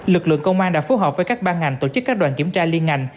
lực lượng công an đã phối hợp với các ban ngành tổ chức các đoàn kiểm tra liên ngành